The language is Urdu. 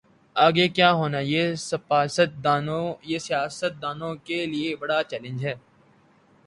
آگے کیا ہوناہے یہ سیاست دانوں کے لئے بڑا چیلنج ہے۔